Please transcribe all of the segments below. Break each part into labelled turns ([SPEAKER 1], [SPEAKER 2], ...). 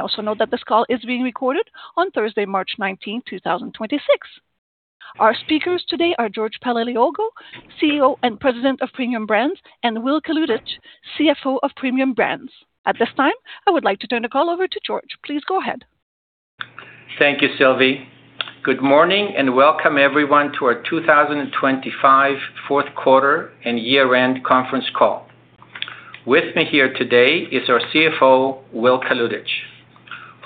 [SPEAKER 1] Also note that this call is being recorded on Thursday, March 19, 2026. Our speakers today are George Paleologou, CEO and President of Premium Brands, and Will Kalutycz, CFO of Premium Brands. At this time, I would like to turn the call over to George. Please go ahead.
[SPEAKER 2] Thank you, Sylvie. Good morning and welcome everyone to our 2025 fourth quarter and year-end conference call. With me here today is our CFO, Will Kalutycz.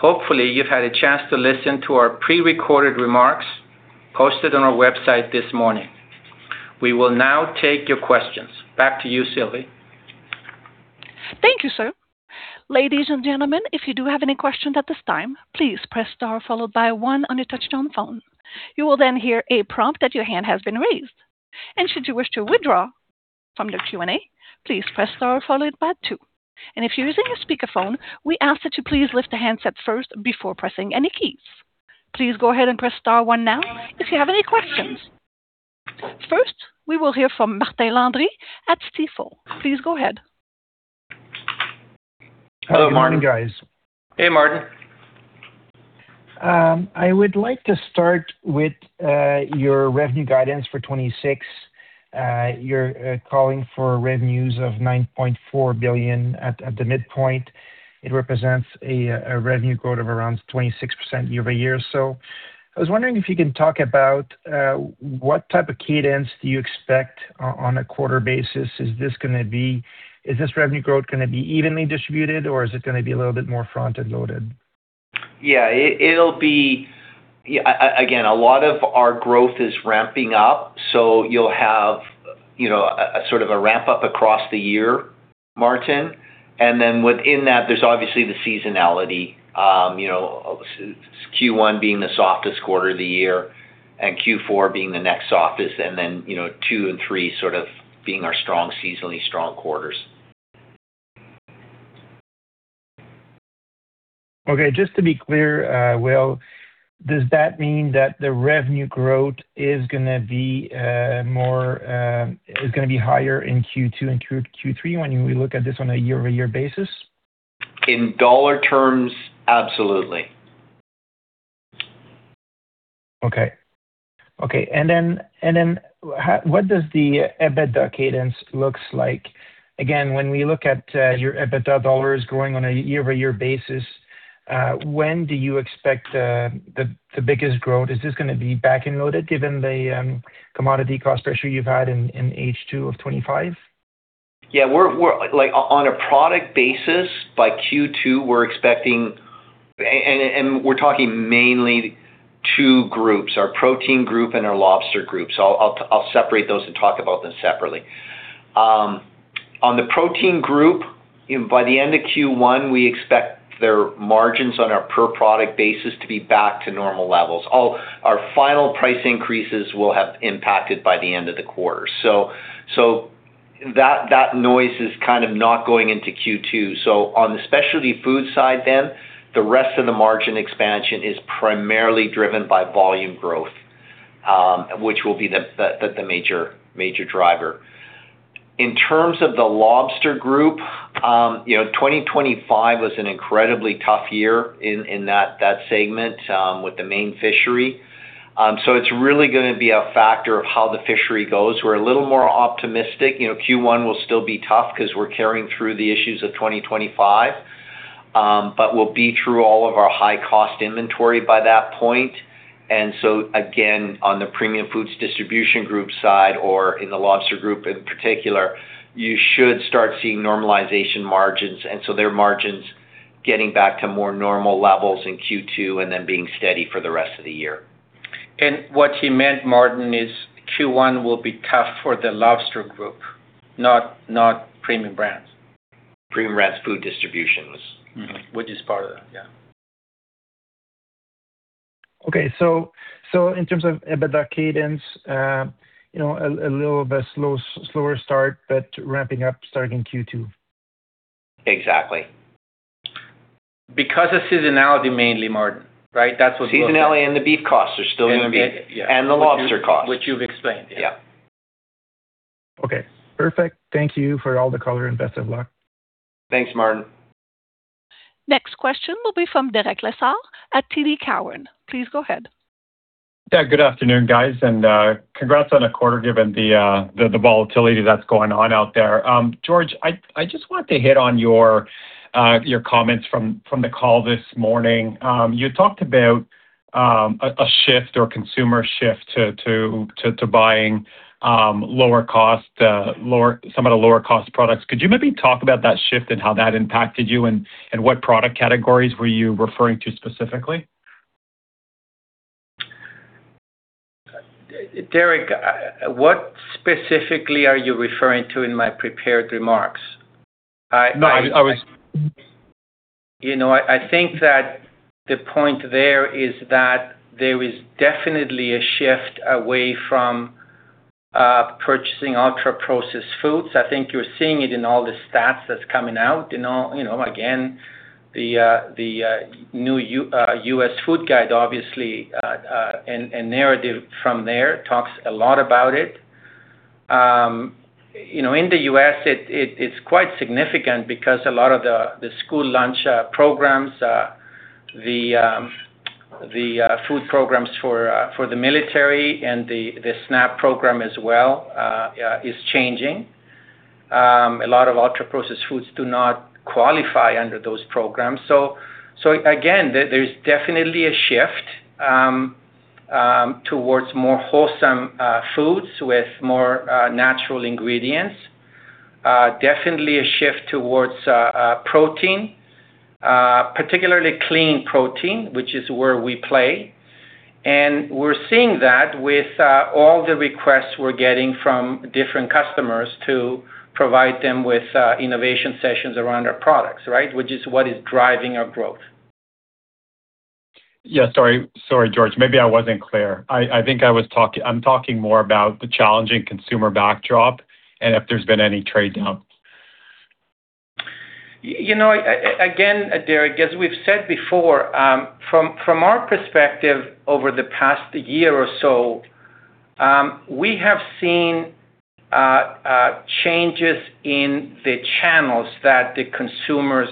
[SPEAKER 2] Hopefully, you've had a chance to listen to our pre-recorded remarks posted on our website this morning. We will now take your questions. Back to you, Sylvie.
[SPEAKER 1] Thank you, sir. Ladies and gentlemen, if you do have any questions at this time, please press star followed by one on your touch-tone phone. You will then hear a prompt that your hand has been raised. Should you wish to withdraw from the Q&A, please press star followed by two. If you're using a speakerphone, we ask that you please lift the handset first before pressing any keys. Please go ahead and press star one now if you have any questions. First, we will hear from Martin Landry at Stifel. Please go ahead.
[SPEAKER 2] Hello, Martin.
[SPEAKER 3] Good morning, guys.
[SPEAKER 4] Hey, Martin.
[SPEAKER 3] I would like to start with your revenue guidance for 2026. You're calling for revenues of 9.4 billion at the midpoint. It represents a revenue growth of around 26% year-over-year. I was wondering if you can talk about what type of cadence do you expect on a quarter basis. Is this revenue growth gonna be evenly distributed or is it gonna be a little bit more front-end loaded?
[SPEAKER 4] It'll be again a lot of our growth is ramping up, so you'll have, you know, a sort of ramp up across the year, Martin. Then within that, there's obviously the seasonality, you know, Q1 being the softest quarter of the year and Q4 being the next softest, and then, you know, two and three sort of being our seasonally strong quarters.
[SPEAKER 3] Okay. Just to be clear, Will, does that mean that the revenue growth is gonna be higher in Q2 and Q3 when we look at this on a year-over-year basis?
[SPEAKER 4] In dollar terms, absolutely.
[SPEAKER 3] What does the EBITDA cadence look like? Again, when we look at your EBITDA dollars growing on a year-over-year basis, when do you expect the biggest growth? Is this gonna be back-end loaded given the commodity cost pressure you've had in H2 of 2025?
[SPEAKER 4] We're on a product basis, by Q2, we're expecting. And we're talking mainly two groups, our Protein Group and our Lobster Group. I'll separate those and talk about them separately. On the Protein Group, by the end of Q1, we expect their margins on our per product basis to be back to normal levels. All our final price increases will have impacted by the end of the quarter. That noise is kind of not going into Q2. On the specialty food side then, the rest of the margin expansion is primarily driven by volume growth, which will be the major driver. In terms of the Lobster Group, you know, 2025 was an incredibly tough year in that segment, with the main fishery. It's really gonna be a factor of how the fishery goes. We're a little more optimistic. You know, Q1 will still be tough 'cause we're carrying through the issues of 2025, but we'll be through all of our high cost inventory by that point. Again, on the Premium Food Distribution Group side or in the Lobster Group in particular, you should start seeing normalization margins, and so their margins getting back to more normal levels in Q2 and then being steady for the rest of the year.
[SPEAKER 2] What he meant, Martin, is Q1 one will be tough for the lobster group, not Premium Brands.
[SPEAKER 4] Premium Brands Food Distributions.
[SPEAKER 2] Mm-hmm.
[SPEAKER 4] Which is part of that. Yeah.
[SPEAKER 3] Okay. In terms of EBITDA cadence, you know, a little of a slow, slower start, but ramping up starting Q2.
[SPEAKER 4] Exactly.
[SPEAKER 2] Because of seasonality mainly, Martin, right? That's what we look at.
[SPEAKER 4] Seasonality and the beef costs are still gonna be.
[SPEAKER 2] And the-
[SPEAKER 4] The lobster costs.
[SPEAKER 2] Which you've explained. Yeah.
[SPEAKER 4] Yeah.
[SPEAKER 3] Okay. Perfect. Thank you for all the color, and best of luck.
[SPEAKER 4] Thanks, Martin.
[SPEAKER 1] Next question will be from Derek Lessard at TD Cowen. Please go ahead.
[SPEAKER 5] Yeah, good afternoon, guys, and congrats on the quarter given the volatility that's going on out there. George, I just want to hit on your comments from the call this morning. You talked about a shift or consumer shift to buying lower cost products. Could you maybe talk about that shift and how that impacted you and what product categories were you referring to specifically?
[SPEAKER 2] Derek, what specifically are you referring to in my prepared remarks?
[SPEAKER 5] No, I was.
[SPEAKER 2] You know, I think that the point there is that there is definitely a shift away from purchasing ultra-processed foods. I think you're seeing it in all the stats that's coming out. You know, again, the new U.S. food guide, obviously, and narrative from there talks a lot about it. You know, in the U.S. it is quite significant because a lot of the school lunch programs, the food programs for the military and the SNAP program as well, is changing. A lot of ultra-processed foods do not qualify under those programs. Again, there's definitely a shift towards more wholesome foods with more natural ingredients. Definitely a shift towards protein, particularly clean protein, which is where we play. We're seeing that with all the requests we're getting from different customers to provide them with innovation sessions around our products, right? Which is what is driving our growth.
[SPEAKER 5] Sorry, George. Maybe I wasn't clear. I think I'm talking more about the challenging consumer backdrop and if there's been any trade down.
[SPEAKER 2] You know, again, Derek, as we've said before, from our perspective over the past year or so, we have seen changes in the channels that the consumers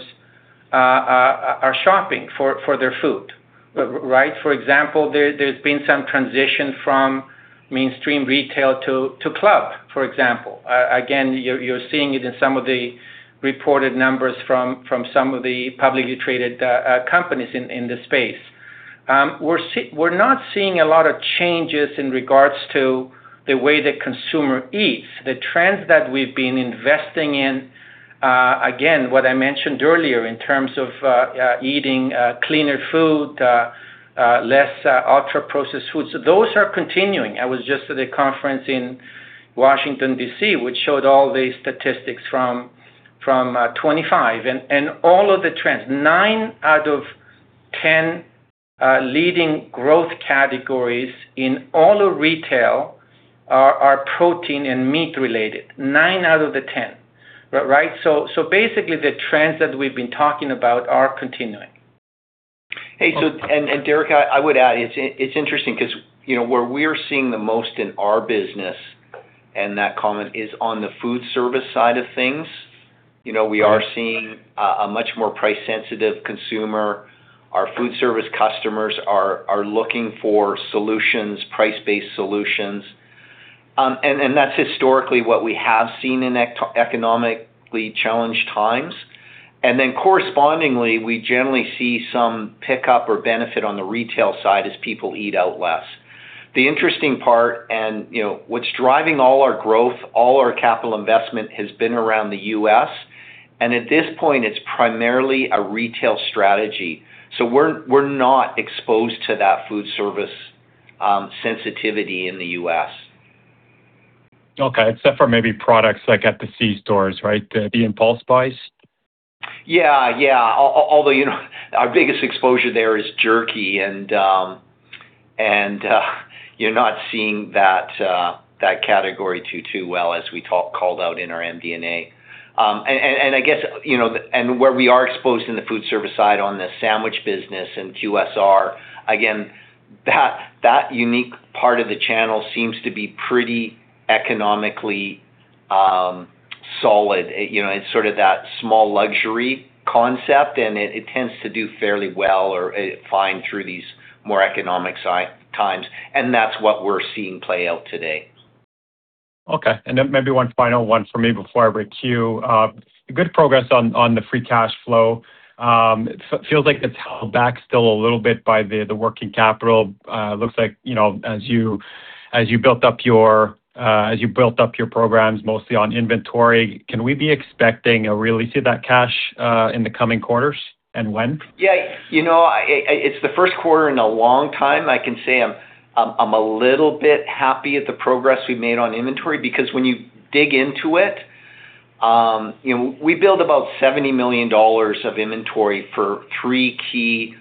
[SPEAKER 2] are shopping for their food, right? For example, there's been some transition from mainstream retail to club, for example. Again, you're seeing it in some of the reported numbers from some of the publicly traded companies in this space. We're not seeing a lot of changes in regards to the way the consumer eats. The trends that we've been investing in, again, what I mentioned earlier in terms of eating cleaner food, less ultra-processed foods, those are continuing. I was just at a conference in Washington, D.C., which showed all the statistics from 2025 and all of the trends. Nine out of 10 leading growth categories in all of retail are protein- and meat-related. Nine out of the 10, right? Basically the trends that we've been talking about are continuing.
[SPEAKER 4] Derek, I would add, it's interesting because, you know, where we are seeing the most in our business, and that comment, is on the food service side of things. You know, we are seeing a much more price-sensitive consumer. Our food service customers are looking for solutions, price-based solutions. That's historically what we have seen in economically challenged times. Correspondingly, we generally see some pickup or benefit on the retail side as people eat out less. The interesting part, you know, what's driving all our growth, all our capital investment has been around the U.S., and at this point it's primarily a retail strategy. We're not exposed to that food service sensitivity in the U.S.
[SPEAKER 5] Okay. Except for maybe products like at the C stores, right? The impulse buys.
[SPEAKER 4] Yeah, yeah. Although, you know, our biggest exposure there is jerky and you're not seeing that category too well as we called out in our MD&A. I guess, you know, where we are exposed in the food service side on the sandwich business and QSR, again, that unique part of the channel seems to be pretty economically solid. You know, it's sort of that small luxury concept, and it tends to do fairly well or fine through these more economic times, and that's what we're seeing play out today.
[SPEAKER 5] Okay. Maybe one final one for me before I break queue. Good progress on the free cash flow. It feels like it's held back still a little bit by the working capital. Looks like as you built up your programs mostly on inventory, can we be expecting a release of that cash in the coming quarters, and when?
[SPEAKER 4] Yeah. You know, it's the first quarter in a long time I can say I'm a little bit happy at the progress we've made on inventory because when you dig into it, you know, we build about 70 million dollars of inventory for three key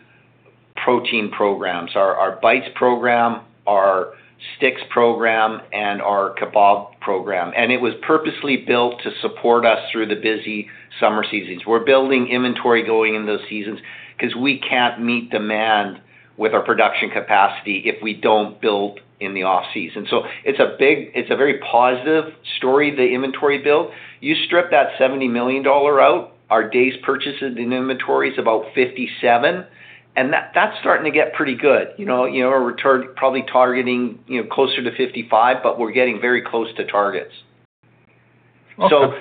[SPEAKER 4] protein programs. Our Bites Program, our Sticks Program, and our Kebab Program. It was purposely built to support us through the busy summer seasons. We're building inventory going in those seasons 'cause we can't meet demand with our production capacity if we don't build in the off-season. It's a big, very positive story, the inventory build. You strip that 70 million dollar out, our days purchases in inventory is about 57, and that's starting to get pretty good. You know, we're probably targeting closer to 55, but we're getting very close to targets.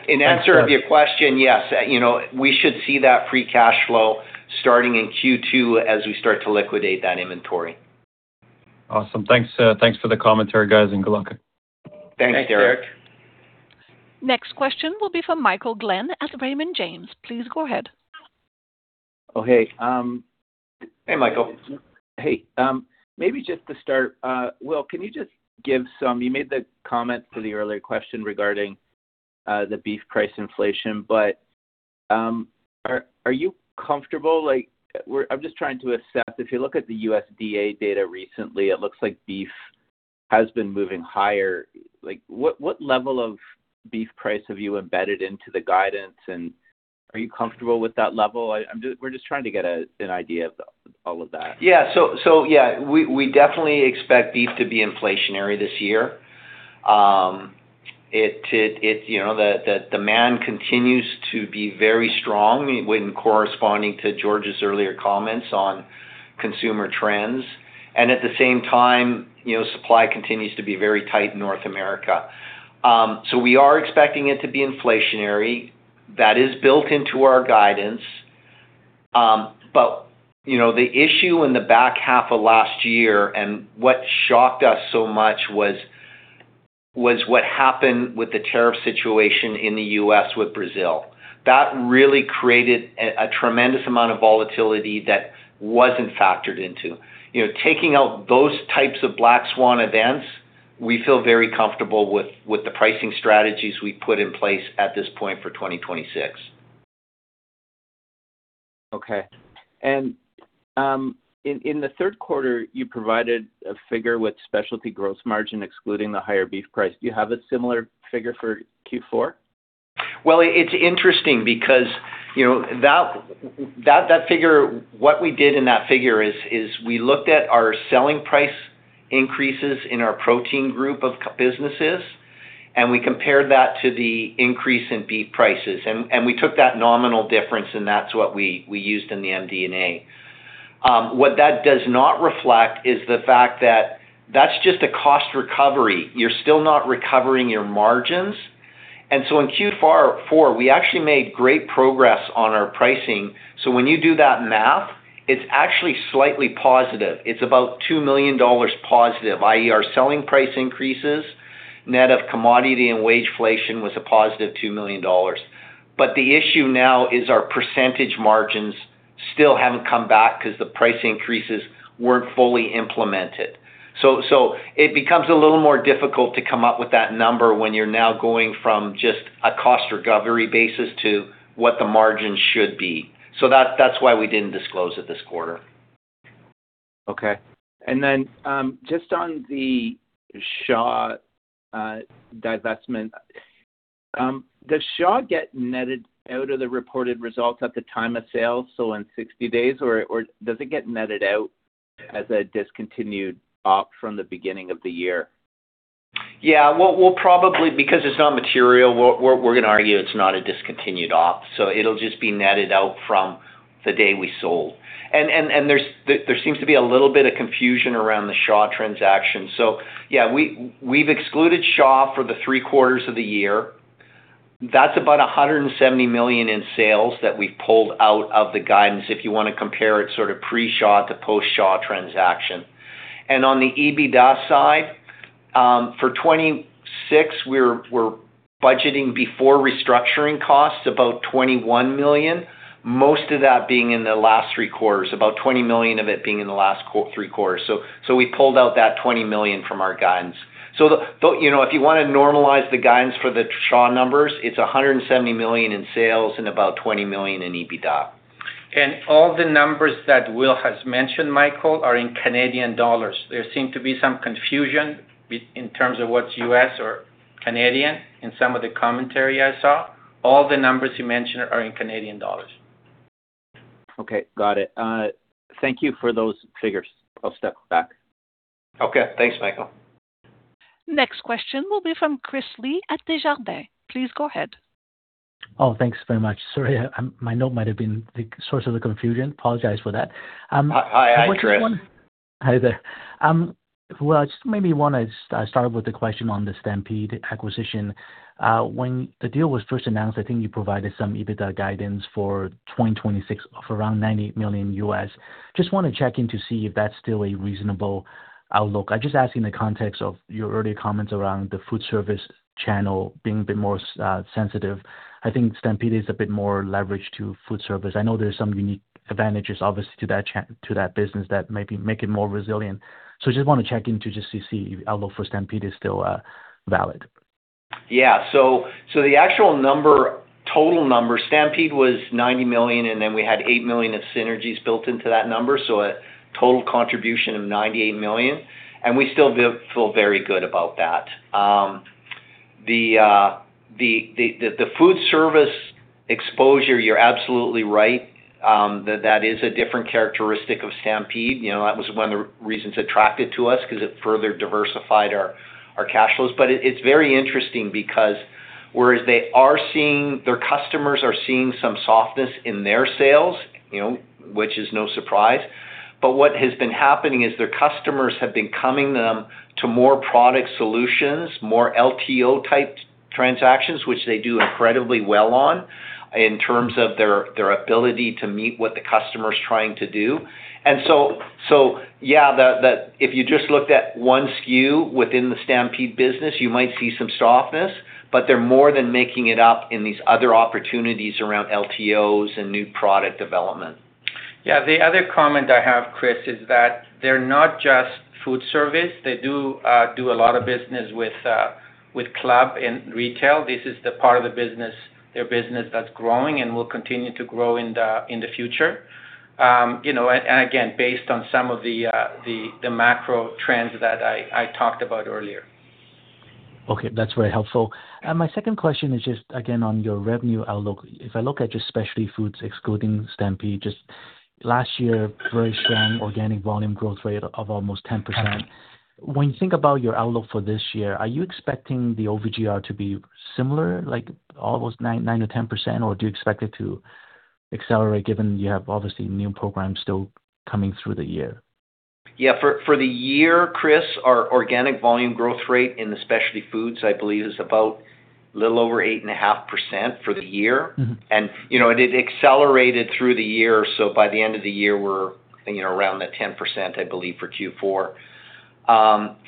[SPEAKER 4] In answer to your question, yes, you know, we should see that free cash flow starting in Q2 as we start to liquidate that inventory.
[SPEAKER 5] Awesome. Thanks for the commentary, guys, and good luck.
[SPEAKER 4] Thanks, Derek.
[SPEAKER 2] Thanks, Derek.
[SPEAKER 1] Next question will be from Michael Glen at Raymond James. Please go ahead.
[SPEAKER 6] Oh, hey.
[SPEAKER 4] Hey, Michael.
[SPEAKER 6] Hey. Maybe just to start, Will, you made the comment to the earlier question regarding the beef price inflation, but are you comfortable? I'm just trying to assess. If you look at the USDA data recently, it looks like beef has been moving higher. Like, what level of beef price have you embedded into the guidance? And are you comfortable with that level? I'm just trying to get an idea of all of that.
[SPEAKER 4] Yeah, we definitely expect beef to be inflationary this year. You know, the demand continues to be very strong corresponding to George's earlier comments on consumer trends. At the same time, you know, supply continues to be very tight in North America. We are expecting it to be inflationary. That is built into our guidance. You know, the issue in the back half of last year, and what shocked us so much was what happened with the tariff situation in the U.S. with Brazil. That really created a tremendous amount of volatility that wasn't factored into. You know, taking out those types of black swan events, we feel very comfortable with the pricing strategies we put in place at this point for 2026.
[SPEAKER 6] Okay. In the third quarter, you provided a figure with specialty gross margin excluding the higher beef price. Do you have a similar figure for Q4?
[SPEAKER 4] Well, it's interesting because, you know, that figure, what we did in that figure is we looked at our selling price increases in our Protein Group of businesses, and we compared that to the increase in beef prices. We took that nominal difference, and that's what we used in the MD&A. What that does not reflect is the fact that that's just a cost recovery. You're still not recovering your margins. In Q4, we actually made great progress on our pricing. When you do that math, it's actually slightly positive. It's about 2 million dollars+, i.e. our selling price increases, net of commodity and wage inflation was a +2 million dollars. The issue now is our percentage margins still haven't come back 'cause the price increases weren't fully implemented. It becomes a little more difficult to come up with that number when you're now going from just a cost recovery basis to what the margin should be. That's why we didn't disclose it this quarter.
[SPEAKER 6] Just on the Shaw divestment. Does Shaw get netted out of the reported results at the time of sale, so in 60 days, or does it get netted out as a discontinued op from the beginning of the year?
[SPEAKER 4] Yeah. Because it's not material, we're gonna argue it's not a discontinued op. It'll just be netted out from the day we sold. There seems to be a little bit of confusion around the Shaw transaction. Yeah, we've excluded Shaw Bakers for the three quarters of the year. That's about 170 million in sales that we've pulled out of the guidance, if you wanna compare it sort of pre-Shaw Bakers to post-Shaw Bakers transaction. On the EBITDA side, for 2026, we're budgeting before restructuring costs about 21 million, most of that being in the last three quarters, about 20 million of it being in the last three quarters. We pulled out that 20 million from our guidance. you know, if you wanna normalize the guidance for the Shaw numbers, it's 170 million in sales and about 20 million in EBITDA.
[SPEAKER 2] All the numbers that Will has mentioned, Michael, are in Canadian dollars. There seem to be some confusion with, in terms of what's U.S. or Canadian in some of the commentary I saw. All the numbers he mentioned are in Canadian dollars.
[SPEAKER 6] Okay. Got it. Thank you for those figures. I'll step back.
[SPEAKER 4] Okay. Thanks, Michael.
[SPEAKER 1] Next question will be from Chris Li at Desjardins. Please go ahead.
[SPEAKER 7] Oh, thanks very much. Sorry, my note might have been the source of the confusion. Apologize for that.
[SPEAKER 4] Hi, Chris.
[SPEAKER 7] Hi there. I just maybe wanna just start with the question on the Stampede acquisition. When the deal was first announced, I think you provided some EBITDA guidance for 2026 of around $90 million. Just wanna check in to see if that's still a reasonable outlook. I'm just asking in the context of your earlier comments around the food service channel being a bit more sensitive. I think Stampede is a bit more leveraged to food service. I know there's some unique advantages, obviously, to that business that maybe make it more resilient. Just wanna check in to see if the outlook for Stampede is still valid.
[SPEAKER 4] The actual number, total number, Stampede was 90 million, and then we had 8 million of synergies built into that number. A total contribution of 98 million, and we still feel very good about that. The food service exposure, you're absolutely right, that is a different characteristic of Stampede. You know, that was one of the reasons attracted to us 'cause it further diversified our cash flows. It is very interesting because whereas their customers are seeing some softness in their sales, you know, which is no surprise, but what has been happening is their customers have been coming to them to more product solutions, more LTO-type transactions, which they do incredibly well on in terms of their ability to meet what the customer is trying to do. Yeah, if you just looked at one SKU within the Stampede business, you might see some softness, but they're more than making it up in these other opportunities around LTOs and new product development.
[SPEAKER 2] Yeah. The other comment I have, Chris, is that they're not just food service. They do a lot of business with club and retail. This is the part of the business, their business that's growing and will continue to grow in the future. You know, and again, based on some of the macro trends that I talked about earlier.
[SPEAKER 7] Okay, that's very helpful. My second question is just again on your revenue outlook. If I look at your specialty foods excluding Stampede, just last year very strong Organic Volume Growth Rate of almost 10%. When you think about your outlook for this year, are you expecting the OVGR to be similar like almost 9%-10%, or do you expect it to accelerate given you have obviously new programs still coming through the year?
[SPEAKER 4] Yeah. For the year, Chris, our Organic Volume Growth Rate in the specialty foods, I believe is about a little over 8.5% for the year.
[SPEAKER 7] Mm-hmm.
[SPEAKER 4] You know, it accelerated through the year. By the end of the year we're, you know, around that 10%, I believe, for Q4.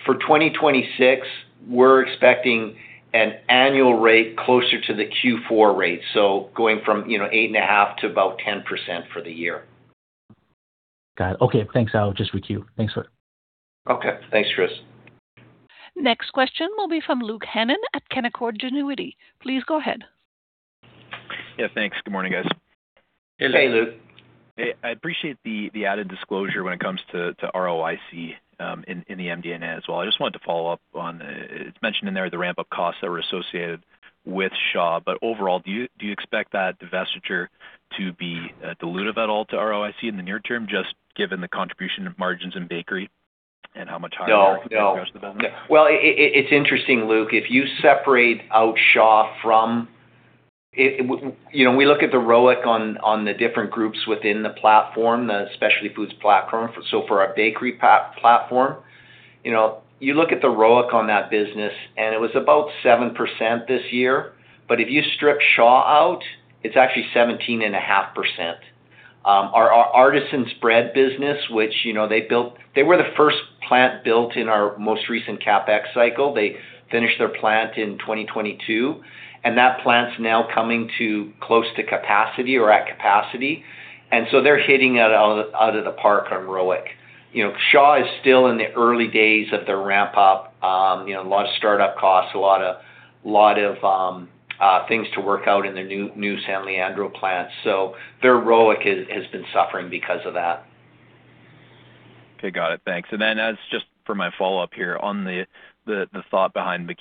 [SPEAKER 4] For 2026, we're expecting an annual rate closer to the Q4 rate, so going from, you know, 8.5% to about 10% for the year.
[SPEAKER 7] Got it. Okay. Thanks. I'll just with you. Thanks, sir.
[SPEAKER 2] Okay.
[SPEAKER 4] Thanks, Chris.
[SPEAKER 1] Next question will be from Luke Hannan at Canaccord Genuity. Please go ahead.
[SPEAKER 8] Yeah, thanks. Good morning, guys.
[SPEAKER 4] Hey, Luke.
[SPEAKER 8] I appreciate the added disclosure when it comes to ROIC in the MD&A as well. I just wanted to follow up on it. It's mentioned in there the ramp-up costs that were associated with Shaw. Overall, do you expect that divestiture to be dilutive at all to ROIC in the near term, just given the contribution of margins in bakery and how much higher
[SPEAKER 4] No. Well, it's interesting, Luke. If you separate out Shaw, you know, we look at the ROIC on the different groups within the platform, the Specialty Foods Platform. For our Bakery Platform, you know, you look at the ROIC on that business, and it was about 7% this year. But if you strip Shaw out, it's actually 17.5%. Our Artisan Spread Business, which they were the first plant built in our most recent CapEx cycle. They finished their plant in 2022, and that plant's now coming close to capacity or at capacity. They're hitting it out of the park on ROIC. You know, Shaw is still in the early days of their ramp up, you know, a lot of start-up costs, a lot of things to work out in their new San Leandro plant. Their ROIC has been suffering because of that.
[SPEAKER 8] Okay. Got it. Thanks. Just for my follow-up here on the thought behind the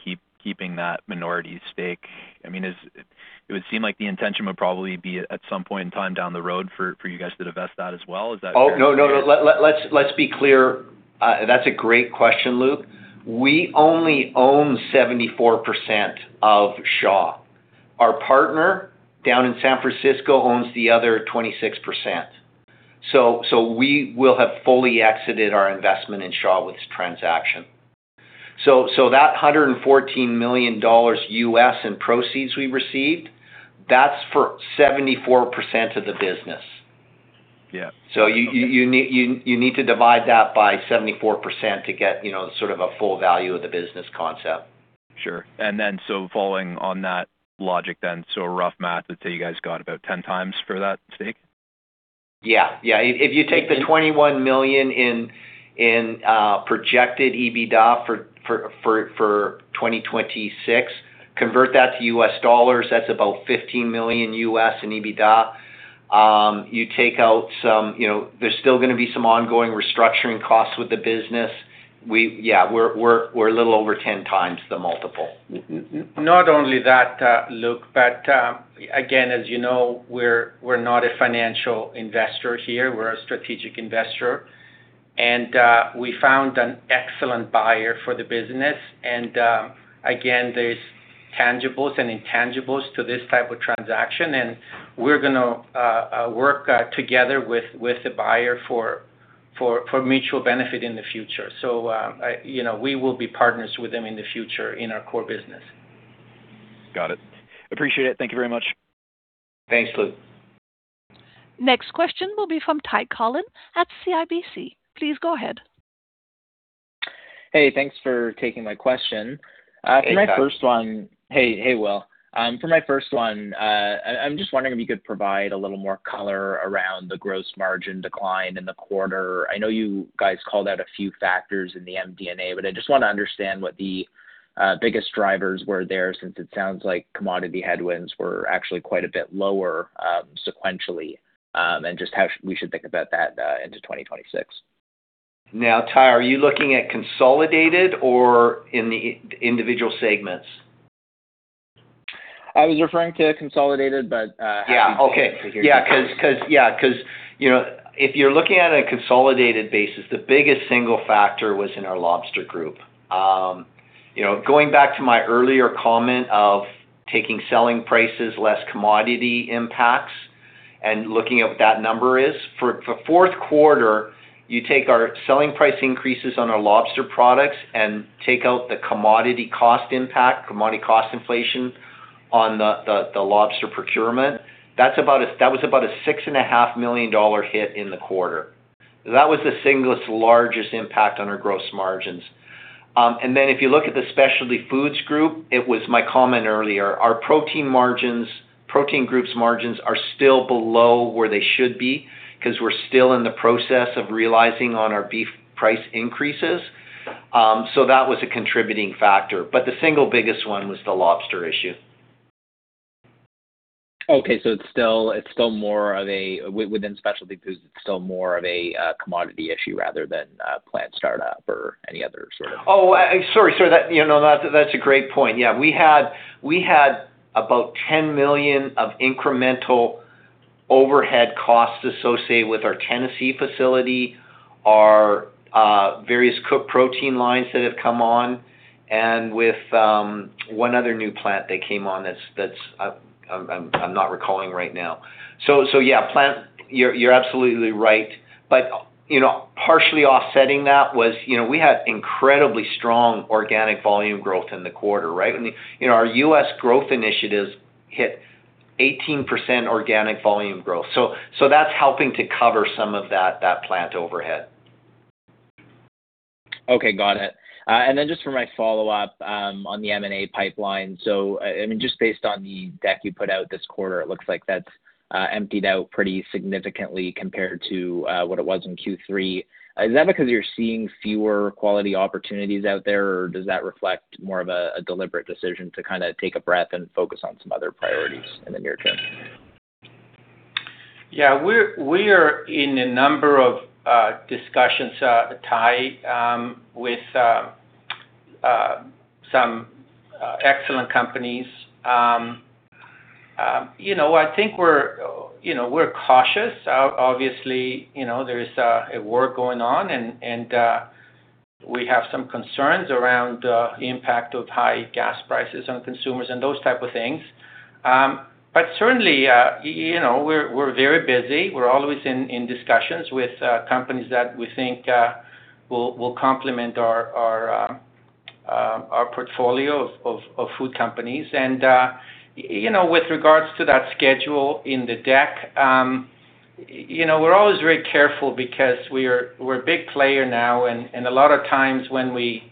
[SPEAKER 8] keeping that minority stake. I mean, it would seem like the intention would probably be at some point in time down the road for you guys to divest that as well. Is that fair?
[SPEAKER 4] Oh, no. Let's be clear. That's a great question, Luke. We only own 74% of Shaw. Our partner down in San Francisco owns the other 26%. We will have fully exited our investment in Shaw with this transaction. That $114 million in proceeds we received, that's for 74% of the business.
[SPEAKER 8] Yeah. Okay.
[SPEAKER 4] You need to divide that by 74% to get, you know, sort of a full value of the business concept.
[SPEAKER 8] Sure. Following on that logic, a rough math, let's say you guys got about 10x for that stake?
[SPEAKER 4] Yeah. If you take the 21 million in projected EBITDA for 2026, convert that to U.S. dollars, that's about $15 million in EBITDA. You take out some. You know, there's still gonna be some ongoing restructuring costs with the business. Yeah, we're a little over 10x the multiple.
[SPEAKER 2] Not only that, Luke, but again, as you know, we're not a financial investor here, we're a strategic investor. We found an excellent buyer for the business. Again, there's tangibles and intangibles to this type of transaction, and we're gonna work together with the buyer for mutual benefit in the future. You know, we will be partners with them in the future in our core business.
[SPEAKER 8] Got it. Appreciate it. Thank you very much.
[SPEAKER 4] Thanks, Luke.
[SPEAKER 1] Next question will be from Ty Collin at CIBC. Please go ahead.
[SPEAKER 9] Hey, thanks for taking my question.
[SPEAKER 4] Hey, Ty.
[SPEAKER 9] Hey, Will. For my first one, I'm just wondering if you could provide a little more color around the gross margin decline in the quarter. I know you guys called out a few factors in the MD&A, but I just wanna understand what the biggest drivers were there since it sounds like commodity headwinds were actually quite a bit lower sequentially, and just how we should think about that into 2026.
[SPEAKER 4] Now, Ty, are you looking at consolidated or in the individual segments?
[SPEAKER 9] I was referring to consolidated, but,
[SPEAKER 4] Because, you know, if you're looking at a consolidated basis, the biggest single factor was in our lobster group. You know, going back to my earlier comment of taking selling prices less commodity impacts and looking at what that number is, for fourth quarter, you take our selling price increases on our lobster products and take out the commodity cost impact, commodity cost inflation on the lobster procurement. That was about a 6.5 million dollar hit in the quarter. That was the single largest impact on our gross margins. If you look at the specialty foods group, it was my comment earlier. Our Protein Group's margins are still below where they should be because we're still in the process of realizing on our beef price increases. That was a contributing factor, but the single biggest one was the lobster issue.
[SPEAKER 9] It's still more of a commodity issue rather than plant startup or any other sort of.
[SPEAKER 4] Sorry, sir. That, you know, that's a great point. Yeah. We had about 10 million of incremental overhead costs associated with our Tennessee facility, our various cooked protein lines that have come on, and with one other new plant that came on that's, I'm not recalling right now. So yeah, you're absolutely right. You know, partially offsetting that was, you know, we had incredibly strong Organic Volume Growth in the quarter, right? You know, our U.S. growth initiatives hit 18% Organic Volume Growth. So that's helping to cover some of that plant overhead.
[SPEAKER 9] Okay. Got it. Just for my follow-up on the M&A pipeline. I mean, just based on the deck you put out this quarter, it looks like that's emptied out pretty significantly compared to what it was in Q3. Is that because you're seeing fewer quality opportunities out there, or does that reflect more of a deliberate decision to kinda take a breath and focus on some other priorities in the near term?
[SPEAKER 2] Yeah. We are in a number of discussions, Ty, with some excellent companies. You know, I think we're cautious. Obviously, you know, there is a war going on and we have some concerns around the impact of high gas prices on consumers and those type of things. Certainly, you know, we're very busy. We're always in discussions with companies that we think will complement our portfolio of food companies. You know, with regards to that schedule in the deck, you know, we're always very careful because we're a big player now, and a lot of times when we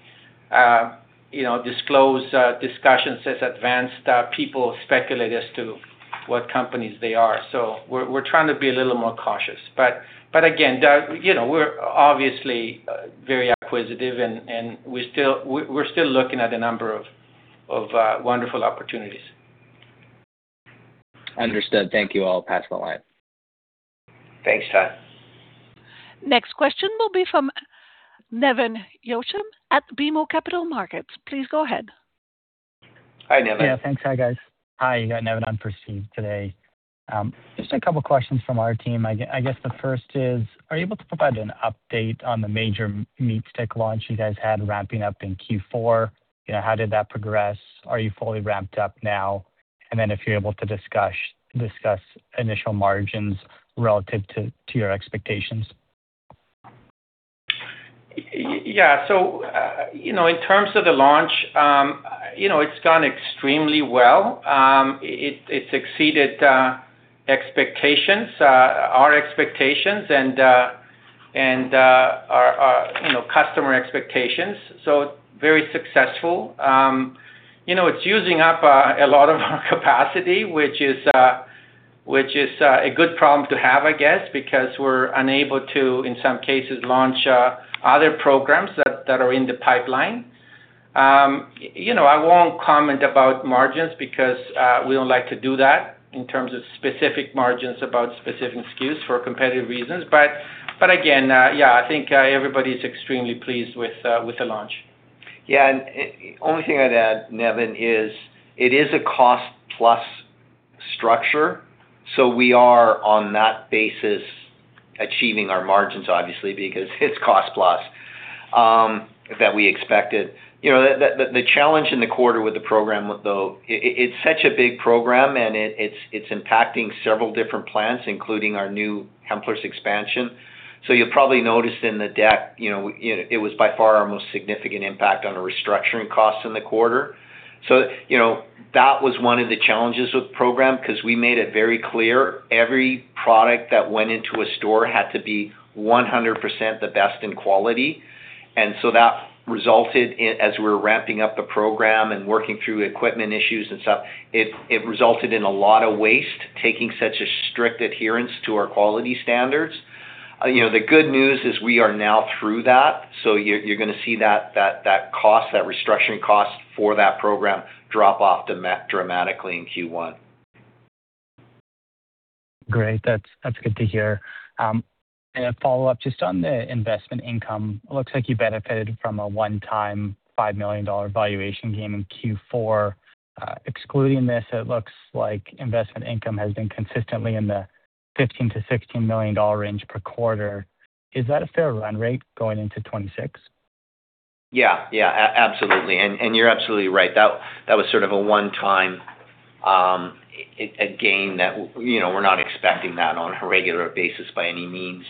[SPEAKER 2] you know, disclose discussions as advanced, people speculate as to what companies they are. We're trying to be a little more cautious. Again, you know, we're obviously very acquisitive and we're still looking at a number of wonderful opportunities.
[SPEAKER 9] Understood. Thank you all. Pass the line.
[SPEAKER 4] Thanks, Ty.
[SPEAKER 1] Next question will be from Nevan Yochim at BMO Capital Markets. Please go ahead.
[SPEAKER 4] Hi, Nevan.
[SPEAKER 10] Yeah. Thanks. Hi, guys. Hi, you got Nevan on for Steve today. Just a couple questions from our team. I guess the first is, are you able to provide an update on the major meat stick launch you guys had ramping up in Q4? You know, how did that progress? Are you fully ramped up now? Then if you're able to discuss initial margins relative to your expectations.
[SPEAKER 2] Yeah. You know, in terms of the launch, you know, it's gone extremely well. It's exceeded expectations, our expectations and our customer expectations. Very successful. You know, it's using up a lot of capacity, which is a good problem to have, I guess, because we're unable to, in some cases, launch other programs that are in the pipeline. You know, I won't comment about margins because we don't like to do that in terms of specific margins about specific SKUs for competitive reasons. But again, yeah, I think everybody's extremely pleased with the launch.
[SPEAKER 4] Yeah. Only thing I'd add, Nevan, is it is a cost-plus structure, so we are on that basis achieving our margins, obviously, because it's cost-plus, that we expected. You know, the challenge in the quarter with the program though, it's such a big program and it's impacting several different plants, including our new Hempler's expansion. You probably noticed in the deck, you know, it was by far our most significant impact on our restructuring costs in the quarter. You know, that was one of the challenges with the program 'cause we made it very clear every product that went into a store had to be 100% the best in quality. That resulted in, as we were ramping up the program and working through equipment issues and stuff, it resulted in a lot of waste, taking such a strict adherence to our quality standards. You know, the good news is we are now through that, so you're gonna see that restructuring cost for that program drop off dramatically in Q1.
[SPEAKER 10] Great. That's good to hear. A follow-up just on the investment income. It looks like you benefited from a one-time 5 million dollar valuation gain in Q4. Excluding this, it looks like investment income has been consistently in the 15 million-16 million dollar range per quarter. Is that a fair run rate going into 2026?
[SPEAKER 4] Yeah. Yeah. Absolutely. You're absolutely right. That was sort of a one-time gain that, you know, we're not expecting that on a regular basis by any means.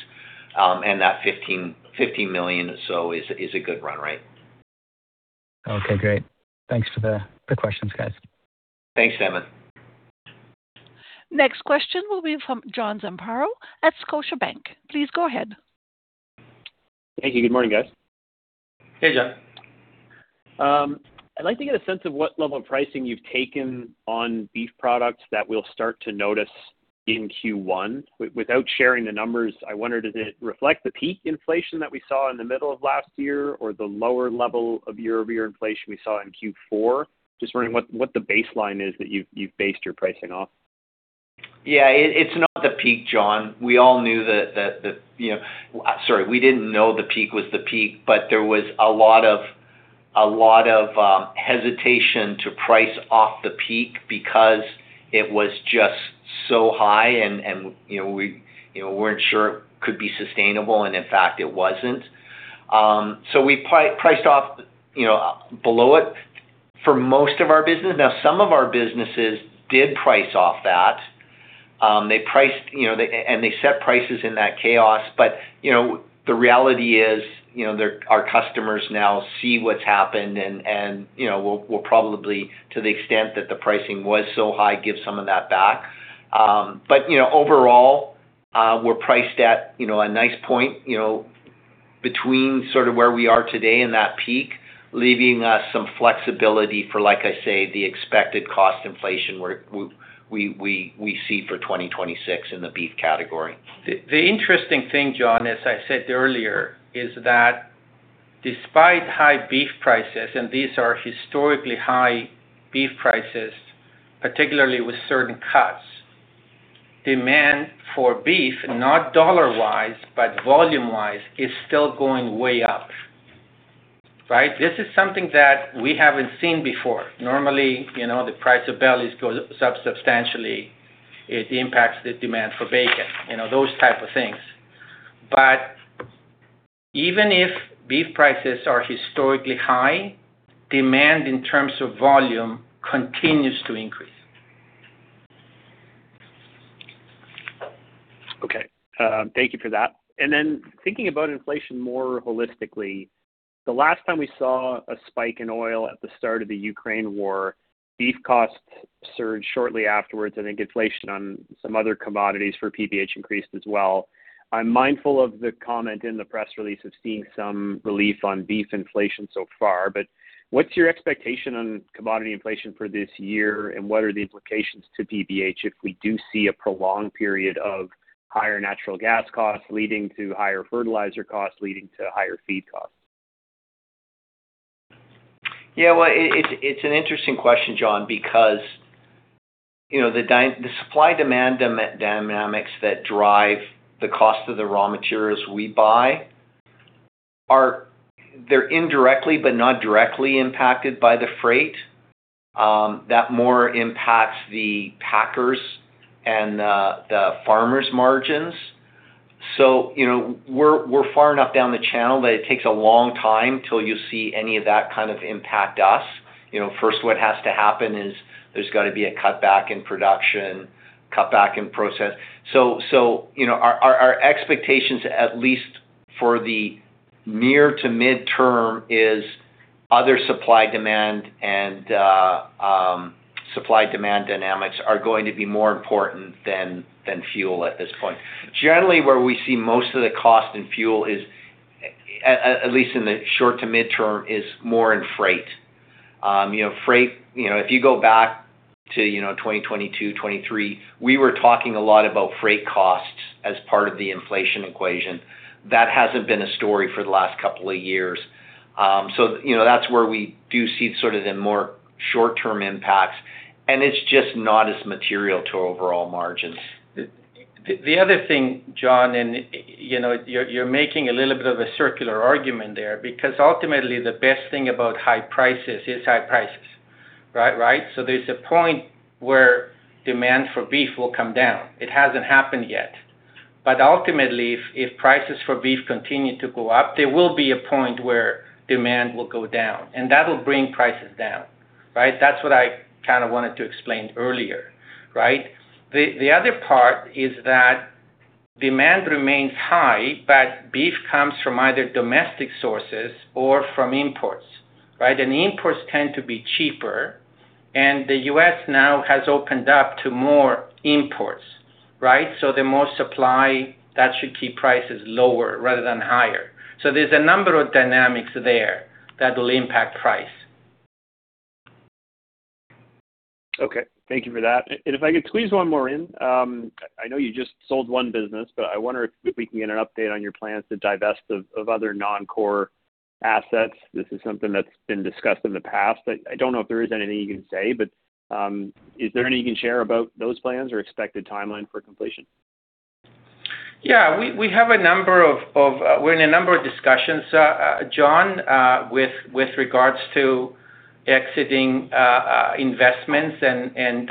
[SPEAKER 4] That 15 million or so is a good run rate.
[SPEAKER 10] Okay, great. Thanks for the questions, guys.
[SPEAKER 4] Thanks, Nevan.
[SPEAKER 1] Next question will be from John Zamparo at Scotiabank. Please go ahead.
[SPEAKER 11] Thank you. Good morning, guys.
[SPEAKER 4] Hey, John.
[SPEAKER 11] I'd like to get a sense of what level of pricing you've taken on beef products that we'll start to notice in Q1. Without sharing the numbers, I wonder, does it reflect the peak inflation that we saw in the middle of last year or the lower level of year-over-year inflation we saw in Q4? Just wondering what the baseline is that you've based your pricing off.
[SPEAKER 4] Yeah, it's not the peak, John. We all knew that, you know. Sorry, we didn't know the peak was the peak, but there was a lot of hesitation to price off the peak because it was just so high and, you know, we weren't sure could be sustainable, and in fact, it wasn't. We priced off, you know, below it for most of our business. Now, some of our businesses did price off that. They priced, you know, and they set prices in that chaos. You know, the reality is, you know, their, our customers now see what's happened and, you know, we'll probably, to the extent that the pricing was so high, give some of that back. You know, overall, we're priced at, you know, a nice point, you know, between sort of where we are today and that peak, leaving us some flexibility for, like I say, the expected cost inflation where we see for 2026 in the beef category.
[SPEAKER 2] The interesting thing, John, as I said earlier, is that despite high beef prices, and these are historically high beef prices, particularly with certain cuts, demand for beef, not dollar-wise, but volume-wise, is still going way up, right? This is something that we haven't seen before. Normally, you know, the price of bellies go up substantially, it impacts the demand for bacon, you know, those type of things. Even if beef prices are historically high, demand in terms of volume continues to increase.
[SPEAKER 11] Okay. Thank you for that. Thinking about inflation more holistically, the last time we saw a spike in oil at the start of the Ukraine war, beef costs surged shortly afterwards. I think inflation on some other commodities for PBH increased as well. I'm mindful of the comment in the press release of seeing some relief on beef inflation so far, but what's your expectation on commodity inflation for this year, and what are the implications to PBH if we do see a prolonged period of higher natural gas costs leading to higher fertilizer costs leading to higher feed costs?
[SPEAKER 4] Well, it's an interesting question, John, because you know, the supply-demand dynamics that drive the cost of the raw materials we buy are, they're indirectly but not directly impacted by the freight that more impacts the packers and the farmers' margins. You know, we're far enough down the channel that it takes a long time till you see any of that kind of impact us. You know, first what has to happen is there's gotta be a cutback in production, cutback in process. You know, our expectations, at least for the near to mid-term, is other supply-demand and supply-demand dynamics are going to be more important than fuel at this point. Generally, where we see most of the cost in fuel is, at least in the short- to mid-term, is more in freight. You know, freight, you know, if you go back to, you know, 2022, 2023, we were talking a lot about freight costs as part of the inflation equation. That hasn't been a story for the last couple of years. You know, that's where we do see sort of the more short-term impacts, and it's just not as material to overall margins.
[SPEAKER 2] The other thing, John, you know, you're making a little bit of a circular argument there because ultimately the best thing about high prices is high prices, right? Right? There's a point where demand for beef will come down. It hasn't happened yet. Ultimately, if prices for beef continue to go up, there will be a point where demand will go down, and that'll bring prices down, right? That's what I kinda wanted to explain earlier, right? The other part is that demand remains high, but beef comes from either domestic sources or from imports, right? Imports tend to be cheaper, and the U.S. now has opened up to more imports, right? The more supply, that should keep prices lower rather than higher. There's a number of dynamics there that will impact price.
[SPEAKER 11] Okay. Thank you for that. If I could squeeze one more in. I know you just sold one business, but I wonder if we can get an update on your plans to divest of other non-core assets. This is something that's been discussed in the past. I don't know if there is anything you can say, but is there anything you can share about those plans or expected timeline for completion?
[SPEAKER 2] Yeah, we're in a number of discussions, John, with regards to exiting investments and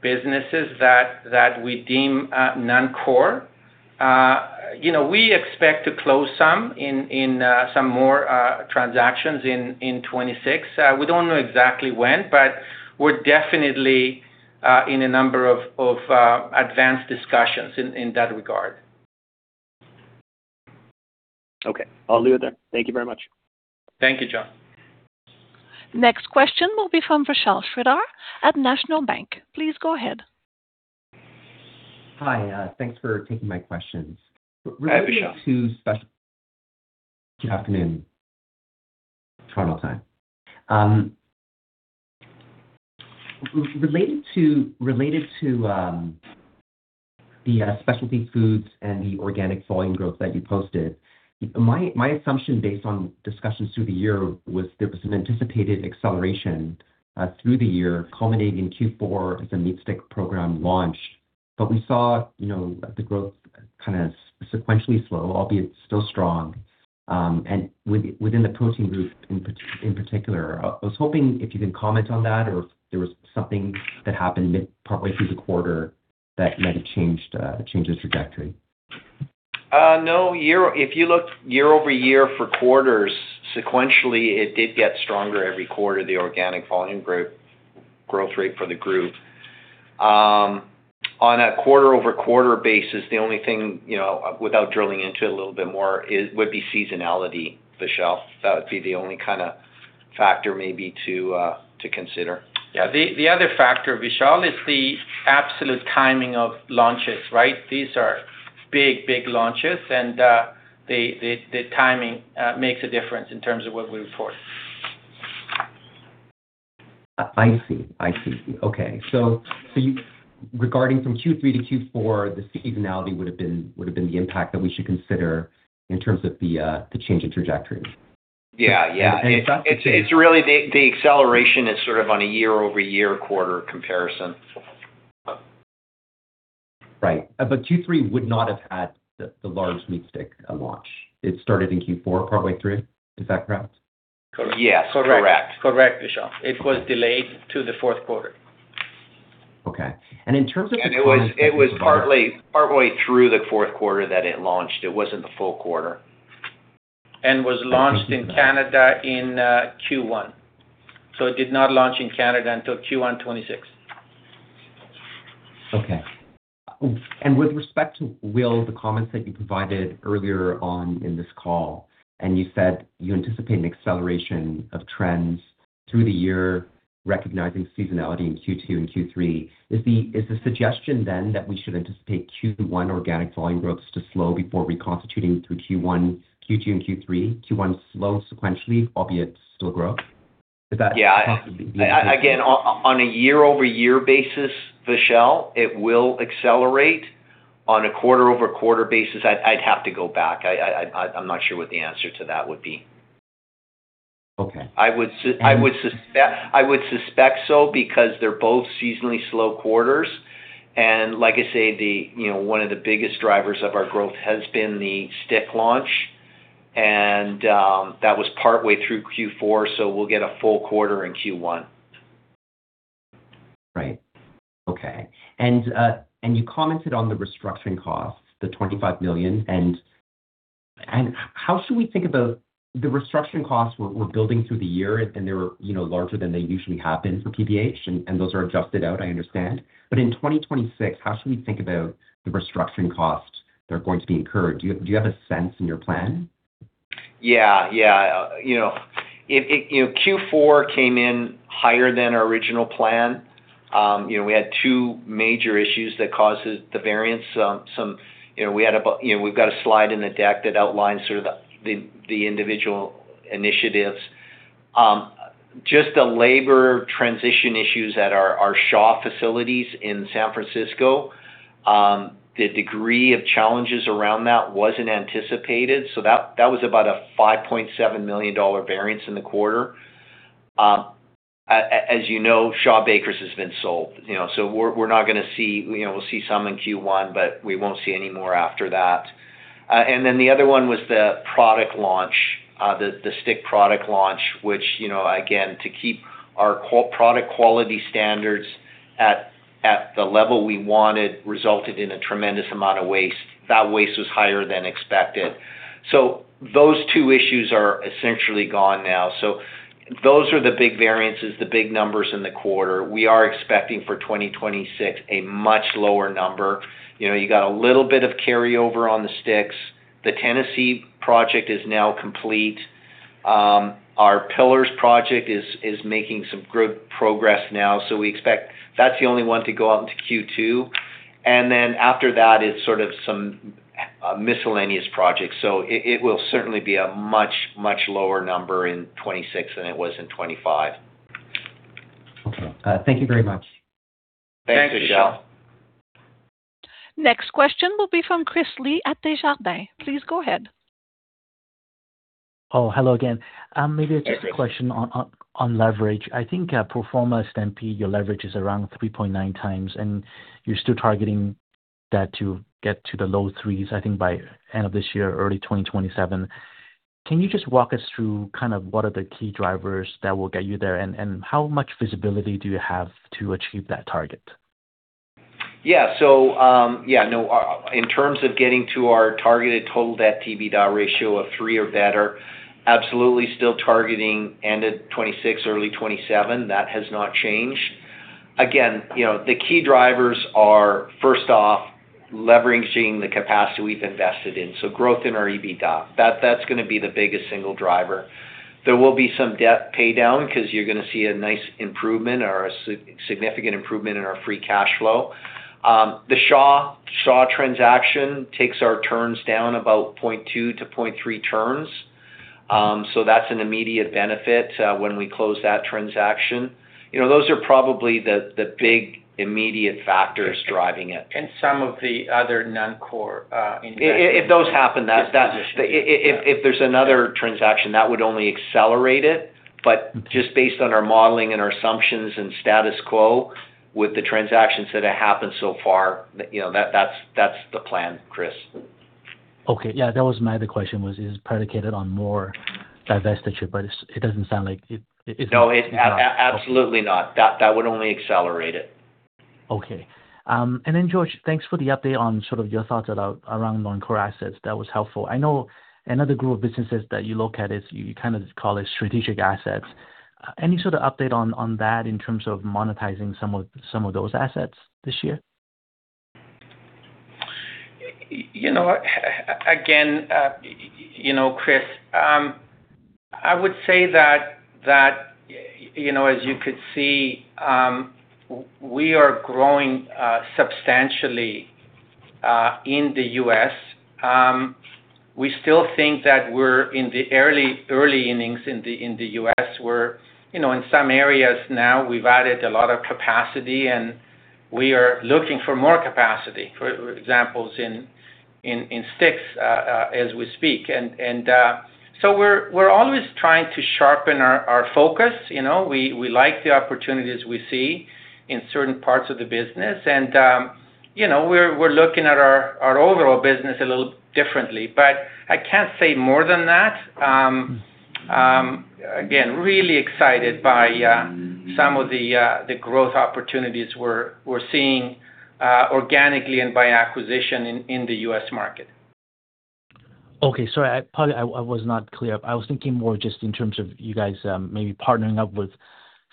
[SPEAKER 2] businesses that we deem non-core. You know, we expect to close some more transactions in 2026. We don't know exactly when, but we're definitely in a number of advanced discussions in that regard.
[SPEAKER 11] Okay. I'll leave it there. Thank you very much.
[SPEAKER 2] Thank you, John.
[SPEAKER 1] Next question will be from Vishal Shreedhar at National Bank. Please go ahead.
[SPEAKER 12] Hi. Thanks for taking my questions.
[SPEAKER 2] Hi, Vishal.
[SPEAKER 12] Good afternoon, Toronto time. Related to the Specialty foods and the Organic Volume Growth that you posted, my assumption based on discussions through the year was there was an anticipated acceleration through the year, culminating in Q4 as a Meat Stick Program launch. We saw, you know, the growth kinda sequentially slow, albeit still strong, and within the Protein Group in particular. I was hoping if you could comment on that or if there was something that happened mid partway through the quarter that might have changed the trajectory.
[SPEAKER 4] No. If you look year-over-year for quarters, sequentially, it did get stronger every quarter, the Organic Volume Growth Rate for the group. On a quarter-over-quarter basis, the only thing, you know, without drilling into it a little bit more is, would be seasonality, Vishal. That would be the only kinda factor maybe to consider.
[SPEAKER 2] Yeah. The other factor, Vishal, is the absolute timing of launches, right? These are big launches, and the timing makes a difference in terms of what we report.
[SPEAKER 12] I see. Okay. Regarding from Q3 to Q4, the seasonality would have been the impact that we should consider in terms of the change in trajectory.
[SPEAKER 4] Yeah. Yeah.
[SPEAKER 12] Is that the case?
[SPEAKER 4] It's really the acceleration is sort of on a year-over-year quarter comparison.
[SPEAKER 12] Right. Q3 would not have had the large Meat Stick launch. It started in Q4 partway through. Is that correct?
[SPEAKER 2] Yes, correct.
[SPEAKER 4] Correct, Vishal. It was delayed to the fourth quarter.
[SPEAKER 12] Okay. In terms of the comments that you provided.
[SPEAKER 4] It was partway through the fourth quarter that it launched. It wasn't the full quarter.
[SPEAKER 2] was launched in Canada in Q1. It did not launch in Canada until Q1 2026.
[SPEAKER 12] Okay. With respect to, Will, the comments that you provided earlier on in this call, and you said you anticipate an acceleration of trends through the year, recognizing seasonality in Q2 and Q3, is the suggestion then that we should anticipate Q1 organic volume growth to slow before reconstituting through Q2 and Q3, Q1 slow sequentially, albeit still growth? Is that possibly the case here?
[SPEAKER 4] Yeah. Again, on a year-over-year basis, Vishal, it will accelerate. On a quarter-over-quarter basis, I'd have to go back. I'm not sure what the answer to that would be.
[SPEAKER 12] Okay.
[SPEAKER 4] I would suspect so because they're both seasonally slow quarters. Like I say, you know, one of the biggest drivers of our growth has been the sticks launch, and that was partway through Q4, so we'll get a full quarter in Q1.
[SPEAKER 12] Right. Okay. You commented on the restructuring costs, the 25 million. How should we think about? The restructuring costs were building through the year, and they were, you know, larger than they usually have been for PBH, and those are adjusted out, I understand. In 2026, how should we think about the restructuring costs that are going to be incurred? Do you have a sense in your plan?
[SPEAKER 4] Yeah. Yeah. You know, it came in higher than our original plan. You know, we had two major issues that causes the variance. You know, we had about, you know, we've got a slide in the deck that outlines sort of the individual initiatives. Just the labor transition issues at our Shaw facilities in San Francisco, the degree of challenges around that wasn't anticipated, so that was about a 5.7 million dollar variance in the quarter. As you know, Shaw Bakers has been sold, you know, so we're not gonna see, you know, we'll see some in Q1, but we won't see any more after that. The other one was the product launch, the Stick product launch, which, you know, again, to keep our product quality standards at the level we wanted resulted in a tremendous amount of waste. That waste was higher than expected. Those two issues are essentially gone now. Those are the big variances, the big numbers in the quarter. We are expecting for 2026 a much lower number. You know, you got a little bit of carryover on the Sticks. The Tennessee project is now complete. Our Piller's project is making some good progress now, so we expect that's the only one to go out into Q2. After that, it's sort of some miscellaneous projects. It will certainly be a much lower number in 2026 than it was in 2025.
[SPEAKER 12] Okay. Thank you very much.
[SPEAKER 4] Thanks, Vishal.
[SPEAKER 2] Thanks, Vishal.
[SPEAKER 1] Next question will be from Chris Li at Desjardins. Please go ahead.
[SPEAKER 7] Oh, hello again. Maybe just a question on leverage. I think, pro forma, Stampede, your leverage is around 3.9x, and you're still targeting that to get to the low threes, I think, by end of this year, early 2027. Can you just walk us through kind of what are the key drivers that will get you there, and how much visibility do you have to achieve that target?
[SPEAKER 4] In terms of getting to our targeted total debt to EBITDA ratio of three or better, absolutely still targeting end of 2026, early 2027. That has not changed. Again, you know, the key drivers are, first off, leveraging the capacity we've invested in, so growth in our EBITDA. That's gonna be the biggest single driver. There will be some debt paydown 'cause you're gonna see a nice improvement or a significant improvement in our free cash flow. The Shaw transaction takes our turns down about 0.2-0.3 turns. So that's an immediate benefit when we close that transaction. You know, those are probably the big immediate factors driving it.
[SPEAKER 2] Some of the other non-core investments.
[SPEAKER 4] If there's another transaction, that would only accelerate it. But just based on our modeling and our assumptions and status quo with the transactions that have happened so far, you know, that's the plan, Chris.
[SPEAKER 7] Okay. Yeah, that was my other question, is predicated on more divestiture, but it doesn't sound like it.
[SPEAKER 4] No, absolutely not. That would only accelerate it.
[SPEAKER 7] Okay. Then George, thanks for the update on sort of your thoughts about around non-core assets. That was helpful. I know another group of businesses that you look at is you kind of call it strategic assets. Any sort of update on that in terms of monetizing some of those assets this year?
[SPEAKER 2] You know, you know, Chris, I would say that you know, as you could see, we are growing substantially in the U.S.. We still think that we're in the early innings in the U.S.. You know, in some areas now we've added a lot of capacity, and we are looking for more capacity, for example in sticks as we speak. We're always trying to sharpen our focus. You know, we like the opportunities we see in certain parts of the business. You know, we're looking at our overall business a little differently, but I can't say more than that. Again, really excited by some of the growth opportunities we're seeing organically and by acquisition in the U.S. market.
[SPEAKER 7] Okay. Sorry, I was not clear. I was thinking more just in terms of you guys, maybe partnering up with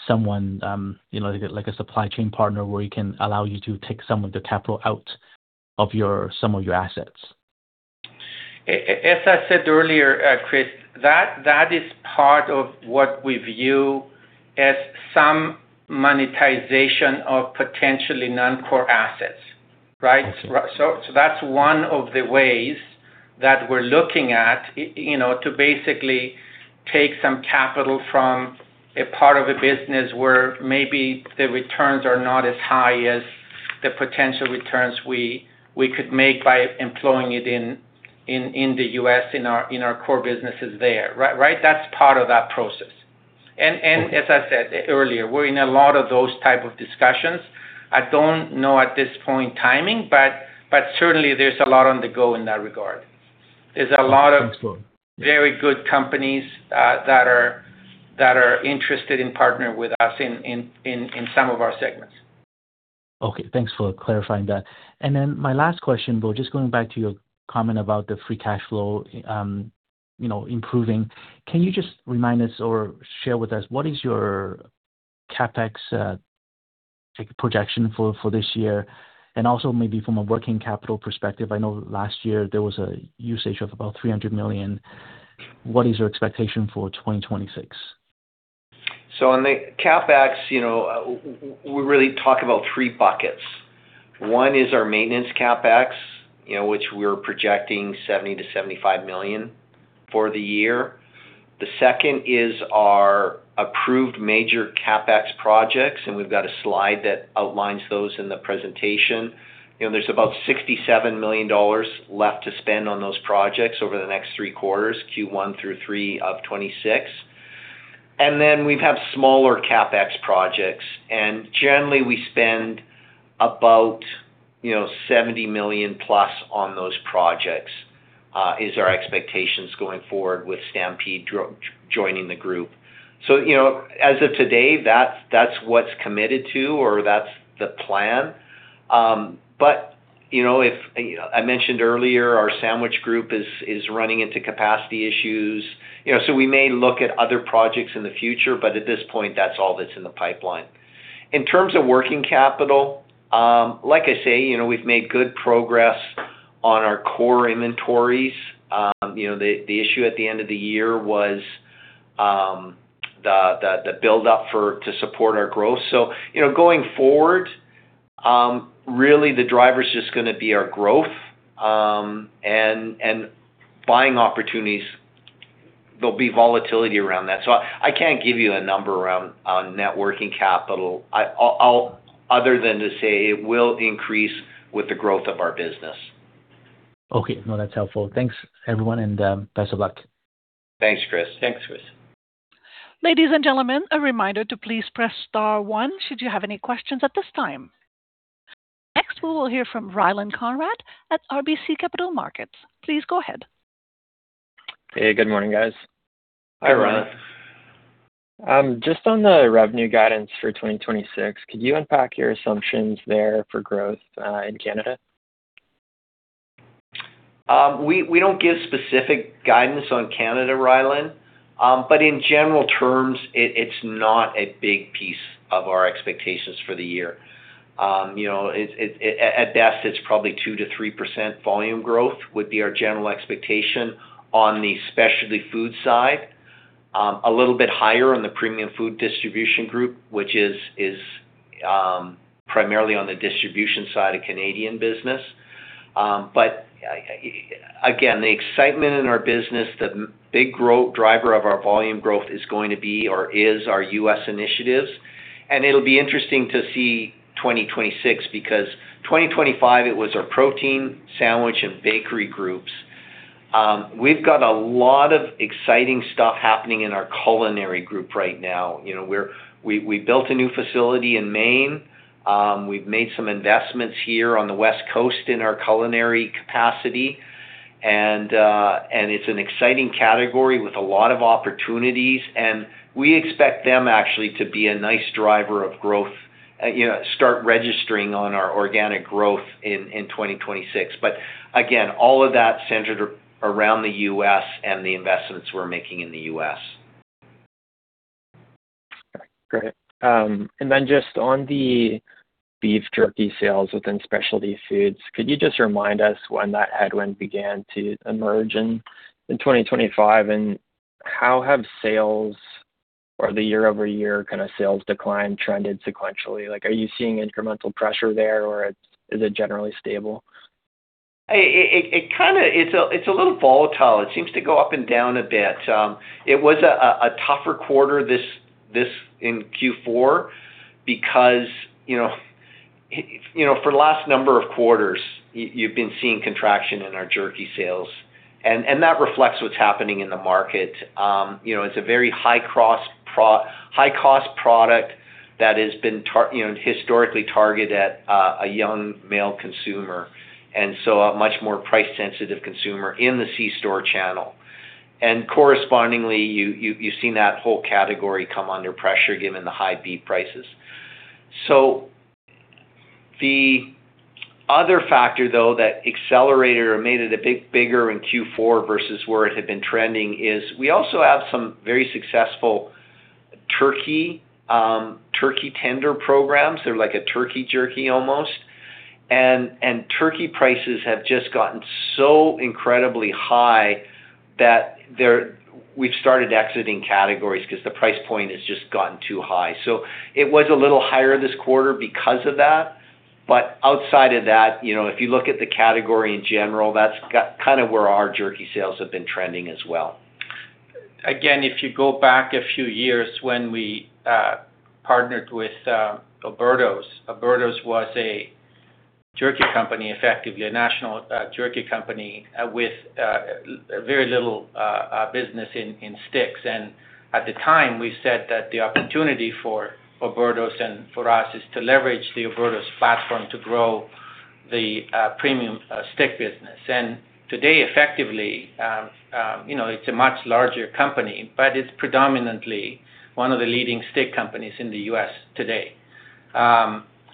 [SPEAKER 7] someone, you know, like a supply chain partner where you can allow you to take some of the capital out of some of your assets.
[SPEAKER 2] As I said earlier, Chris, that is part of what we view as some monetization of potentially non-core assets, right? That's one of the ways that we're looking at, you know, to basically take some capital from a part of a business where maybe the returns are not as high as the potential returns we could make by employing it in the U.S., in our core businesses there, right? That's part of that process. As I said earlier, we're in a lot of those type of discussions. I don't know at this point timing, but certainly there's a lot on the go in that regard. There's a lot of very good companies that are interested in partnering with us in some of our segments.
[SPEAKER 7] Okay, thanks for clarifying that. My last question, Will, just going back to your comment about the free cash flow, you know, improving. Can you just remind us or share with us what is your CapEx projection for this year? Also maybe from a working capital perspective. I know last year there was a usage of about 300 million. What is your expectation for 2026?
[SPEAKER 4] On the CapEx, you know, we really talk about three buckets. One is our maintenance CapEx, you know, which we're projecting 70-75 million for the year. The second is our approved major CapEx projects, and we've got a slide that outlines those in the presentation. You know, there's about 67 million dollars left to spend on those projects over the next three quarters, Q1 through Q3 of 2026. We have smaller CapEx projects. Generally, we spend about, you know, 70 million plus on those projects is our expectations going forward with Stampede joining the group. You know, as of today, that's what's committed to or that's the plan. You know, if I mentioned earlier, our Sandwich Group is running into capacity issues, you know. We may look at other projects in the future, but at this point, that's all that's in the pipeline. In terms of working capital, like I say, you know, we've made good progress on our core inventories. You know, the issue at the end of the year was the build-up to support our growth. You know, going forward, really the driver is just gonna be our growth and buying opportunities. There'll be volatility around that. I can't give you a number on net working capital, other than to say it will increase with the growth of our business.
[SPEAKER 7] Okay. No, that's helpful. Thanks, everyone, and best of luck.
[SPEAKER 4] Thanks, Chris.
[SPEAKER 2] Thanks, Chris.
[SPEAKER 1] Ladies and gentlemen, a reminder to please press star one should you have any questions at this time. Next, we will hear from Ryland Conrad at RBC Capital Markets. Please go ahead.
[SPEAKER 13] Hey, good morning, guys.
[SPEAKER 4] Hi, Ryland.
[SPEAKER 13] Just on the revenue guidance for 2026, could you unpack your assumptions there for growth in Canada?
[SPEAKER 4] We don't give specific guidance on Canada, Ryland, but in general terms, it's not a big piece of our expectations for the year. You know, at best, it's probably 2%-3% volume growth would be our general expectation on the specialty food side. A little bit higher on the Premium Food Distribution Group, which is primarily on the distribution side of Canadian business. But again, the excitement in our business, the big driver of our volume growth is going to be or is our U.S. initiatives. It'll be interesting to see 2026 because 2025 it was our Protein, Sandwich, and Bakery Groups. We've got a lot of exciting stuff happening in our Culinary Group right now. You know, we built a new facility in Maine. We've made some investments here on the West Coast in our culinary capacity. It's an exciting category with a lot of opportunities, and we expect them actually to be a nice driver of growth, you know, start registering on our organic growth in 2026. All of that centered around the U.S. and the investments we're making in the U.S..
[SPEAKER 13] Great. And then just on the beef jerky sales within specialty foods, could you just remind us when that headwind began to emerge in 2025? How have sales or the year-over-year kind of sales decline trended sequentially? Like, are you seeing incremental pressure there, or is it generally stable?
[SPEAKER 4] It kinda is a little volatile. It seems to go up and down a bit. It was a tougher quarter this in Q4 because you know. You know, for the last number of quarters, you've been seeing contraction in our jerky sales, and that reflects what's happening in the market. You know, it's a very high cost product that has been, you know, historically targeted at a young male consumer, and so a much more price sensitive consumer in the C-store channel. Correspondingly, you've seen that whole category come under pressure given the high beef prices. The other factor, though, that accelerated or made it a bit bigger in Q4 versus where it had been trending is we also have some very successful turkey tender programs. They're like a turkey jerky almost. Turkey prices have just gotten so incredibly high that we've started exiting categories 'cause the price point has just gotten too high. It was a little higher this quarter because of that. Outside of that, you know, if you look at the category in general, that's got kind of where our jerky sales have been trending as well.
[SPEAKER 2] Again, if you go back a few years when we partnered with Oberto. Oberto was a jerky company, effectively a national jerky company with very little business in sticks. At the time, we said that the opportunity for Oberto and for us is to leverage the Oberto platform to grow the premium stick business. Today, effectively, you know, it's a much larger company, but it's predominantly one of the leading stick companies in the U.S. today.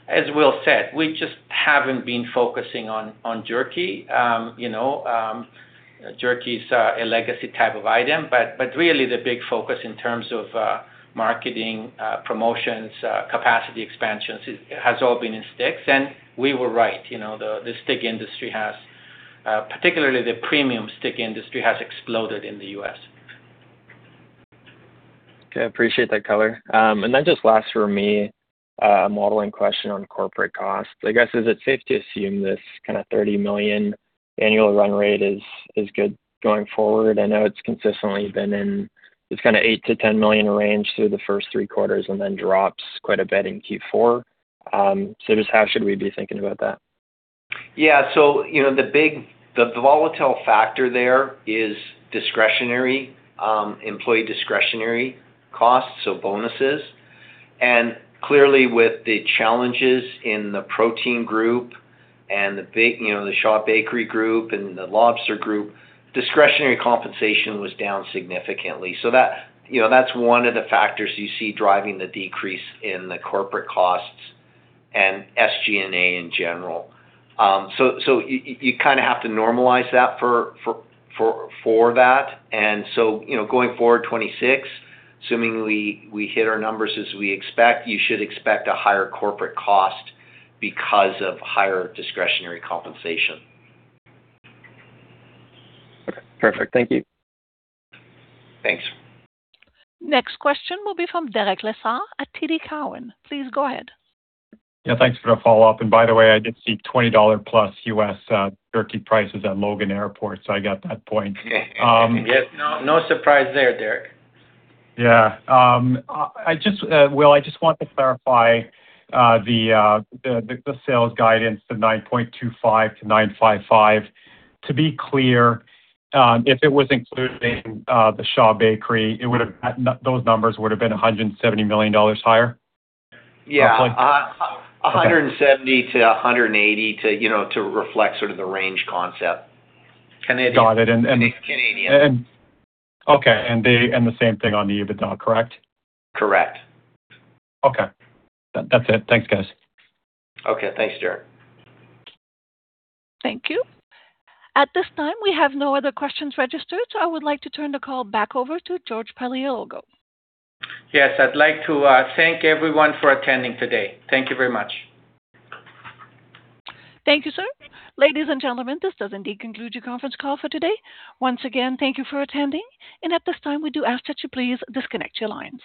[SPEAKER 2] As Will said, we just haven't been focusing on jerky. You know, jerky's a legacy type of item, but really the big focus in terms of marketing, promotions, capacity expansions has all been in sticks. We were right. You know, the stick industry, particularly the premium stick industry, has exploded in the U.S.
[SPEAKER 13] Okay. I appreciate that color. And then just last for me, a modeling question on corporate costs. I guess, is it safe to assume this kinda 30 million annual run rate is good going forward? I know it's consistently been in this kinda 8 million-10 million range through the first three quarters and then drops quite a bit in Q4. So just how should we be thinking about that?
[SPEAKER 4] Yeah. You know, the big, the volatile factor there is discretionary employee discretionary costs, so bonuses. Clearly, with the challenges in the Protein Group and the Shaw Bakery group and the Lobster Group, discretionary compensation was down significantly. That, you know, that's one of the factors you see driving the decrease in the corporate costs and SG&A in general. You kinda have to normalize that for that. You know, going forward, 2026, assuming we hit our numbers as we expect, you should expect a higher corporate cost because of higher discretionary compensation.
[SPEAKER 13] Okay. Perfect. Thank you.
[SPEAKER 4] Thanks.
[SPEAKER 1] Next question will be from Derek Lessard at TD Cowen. Please go ahead.
[SPEAKER 5] Yeah, thanks for the follow-up. By the way, I did see $20+ turkey prices at Logan Airport, so I got that point.
[SPEAKER 2] Yes. No, no surprise there, Derek.
[SPEAKER 5] Yeah. Will, I just want to clarify the sales guidance of 925 million-955 million. To be clear, if it was including the Shaw Bakers, those numbers would have been 170 million dollars higher?
[SPEAKER 4] Yeah.
[SPEAKER 5] Okay.
[SPEAKER 4] 170- 180, you know, to reflect sort of the range concept.
[SPEAKER 5] Got it.
[SPEAKER 4] Canadian.
[SPEAKER 5] Okay. The same thing on the EBITDA, correct?
[SPEAKER 4] Correct.
[SPEAKER 5] Okay. That's it. Thanks, guys.
[SPEAKER 4] Okay. Thanks, Derek.
[SPEAKER 1] Thank you. At this time, we have no other questions registered, so I would like to turn the call back over to George Paleologou.
[SPEAKER 2] Yes. I'd like to thank everyone for attending today. Thank you very much.
[SPEAKER 1] Thank you, sir. Ladies and gentlemen, this does indeed conclude your conference call for today. Once again, thank you for attending. At this time, we do ask that you please disconnect your lines.